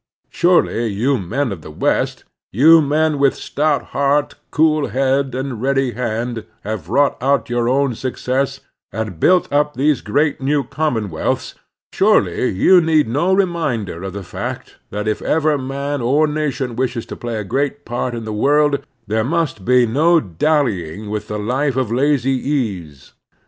Surely you men of the West, you men who with stout heart, cool head, and ready hand have wrought out your own success and built up these great new commonwealths, surely you need no reminder of the fact that if either man or nation wishes to play a great part in the world there must be no dallying with the life of lazy ease.